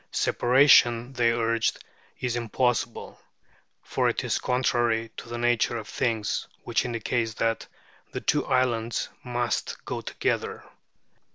Separation, they urged, is impossible, for it is contrary to the nature of things, which indicates that the two islands must go together.